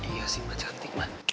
iya sih mak cantik man